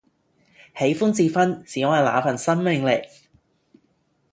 喜歡智勳是因為那份生命力